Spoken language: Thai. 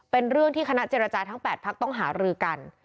เป็นเรื่องที่คณะเจรจาทั้ง๘พักต้องหารือกัน